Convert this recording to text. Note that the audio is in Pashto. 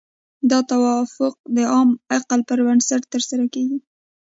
دا توافق د عام عقل پر بنسټ ترسره کیږي.